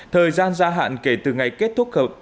thời gian gia hạn kể từ ngày kết thúc thời hạn